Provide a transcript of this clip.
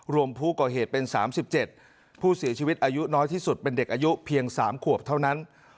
รวมผู้ก่อเหตุเป็น๓๗ผู้เสียชีวิตอายุน้อยที่สุดเป็นเด็กอายุเพียง๓ขวบเท่านั้น